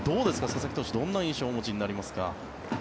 佐々木朗希投手、どんな印象をお持ちになりますか。